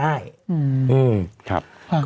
ก็อย่างที่ว่า